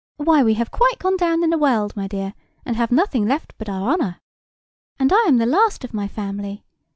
Why, we have quite gone down in the world, my dear, and have nothing left but our honour. And I am the last of my family.